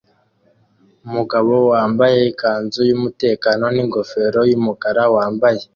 Umugabo wambaye ikanzu yumutekano ningofero yumukara wambaye